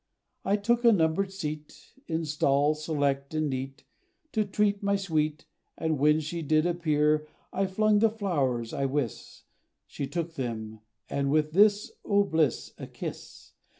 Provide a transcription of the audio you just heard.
I took a numbered seat, In stall select, and neat, To treat My sweet! And when she did appear, I flung the flow'rs I wis, She took them, and with this, O bliss A kiss!